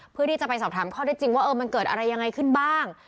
เพื่อที่จะไปสอบถามข้อได้จริงว่ามันเกิดอะไรยังไงขึ้นบ้าง